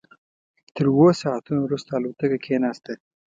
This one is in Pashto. تر اوو ساعتونو وروسته الوتکه کېناسته.